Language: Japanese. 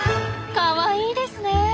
かわいいですね。